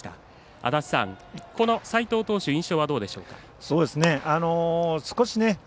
足達さん、この齋藤投手印象はどうでしょうか。